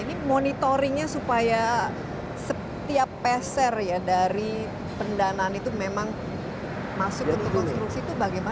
ini monitoringnya supaya setiap peser ya dari pendanaan itu memang masuk untuk konstruksi itu bagaimana